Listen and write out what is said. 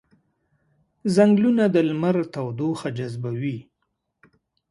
ځنګلونه د لمر تودوخه جذبوي